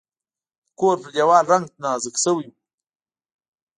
د کور پر دیوال رنګ نازک شوی و.